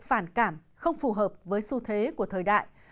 phản cảm không phù hợp với xu thế của thời đại